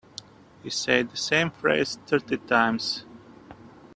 He said the same phrase thirty times.